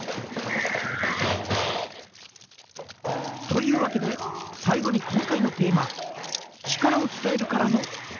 というわけで最後に今回のテーマ「力を伝える」からのクエスチョン！